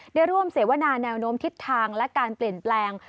ได้ร่วมเสวนาแนวโน้มทิศทางและการเปลี่ยนแปลง